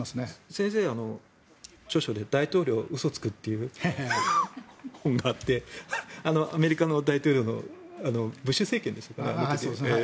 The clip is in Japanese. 先生は著書で「大統領は嘘をつく」という本があってアメリカの大統領のブッシュ政権でしたっけ。